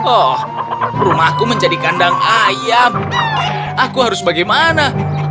oh rumahku menjadi kandang ayam aku harus bagaimana